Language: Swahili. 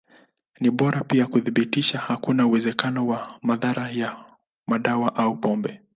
Ni bora pia kuthibitisha hakuna uwezekano wa madhara ya madawa au pombe.